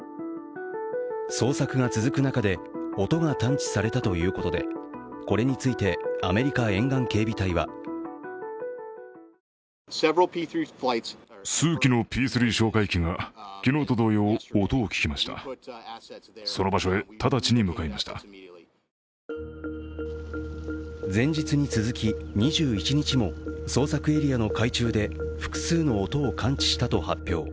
捜索が続く中で、音が探知されたということでこれについて、アメリカ沿岸警備隊は前日に続き２１日も捜索エリアの海中で複数の音を感知したと発表。